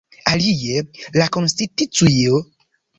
Alie, la konstitucio de subŝtato Pernambuko, art.